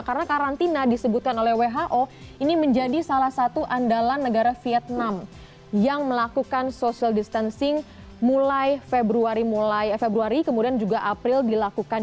karena karantina disebutkan oleh who ini menjadi salah satu andalan negara vietnam yang melakukan social distancing mulai februari kemudian juga april dilakukan